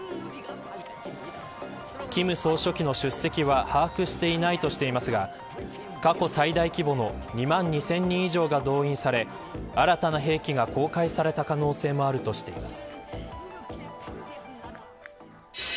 金総書記の出席は把握していないとしていますが過去最大規模の２万２０００人以上が動員され新たな兵器が公開された可能性もあるとしています。